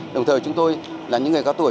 đồng thời chúng tôi là những người cao tuổi